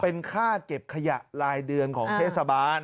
เป็นค่าเก็บขยะรายเดือนของเทศบาล